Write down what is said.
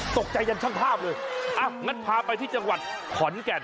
ตกใจยันช่างภาพเลยอ่ะงั้นพาไปที่จังหวัดขอนแก่น